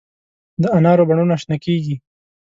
د انارو بڼونه شنه کیږي